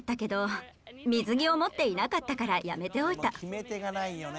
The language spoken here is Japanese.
決め手がないよね。